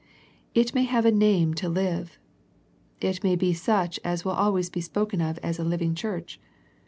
It may have a name to live. It may be such as will always be spoken of as a living church.